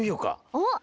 おっ！